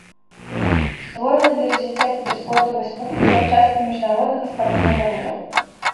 Створана для развіцця кіберспорту ў рэспубліцы як часткі міжнароднага спартыўнага руху.